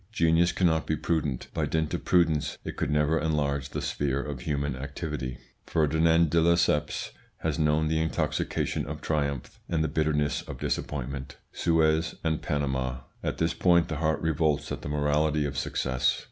Genius cannot be prudent; by dint of prudence it could never enlarge the sphere of human activity. "... Ferdinand de Lesseps has known the intoxication of triumph and the bitterness of disappointment Suez and Panama. At this point the heart revolts at the morality of success.